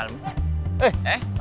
terima kasih pak